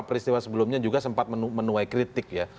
peristiwa sebelumnya juga sempat menuai kritik ya